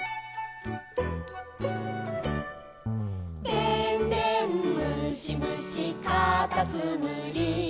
「でんでんむしむしかたつむり」